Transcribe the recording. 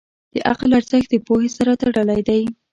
د عقل ارزښت د پوهې سره تړلی دی.